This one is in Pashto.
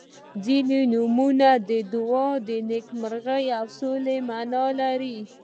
• ځینې نومونه د دعا، نیکمرغۍ او سوکالۍ معنا لري.